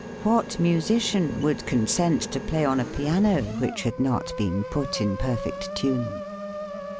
What musician would consent to play on a piano which had not been put in perfect tune?